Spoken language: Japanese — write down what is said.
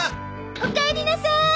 おかえりなさーい！